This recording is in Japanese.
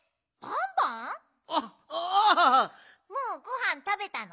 もうごはんたべたの？